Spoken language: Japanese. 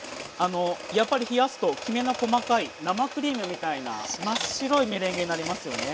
やっぱり冷やすときめの細かい生クリームみたいな真っ白いメレンゲになりますよね。